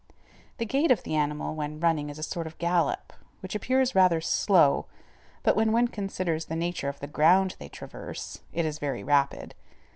The gait of the animal when running is a sort of gallop, which appears rather slow, but when one considers the nature of the ground they traverse, it is very rapid.